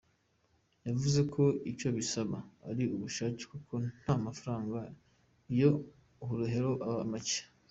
Yavuze ko icyo bibasaba ari ubushake kuko nta mafaranga yo guheraho aba make.